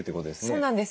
そうなんです。